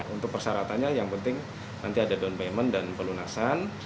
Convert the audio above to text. untuk persyaratannya yang penting nanti ada donpayment dan pelunasan